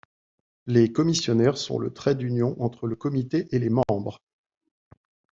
Les commissionnaires sont le trait d'union entre le comité et les membres.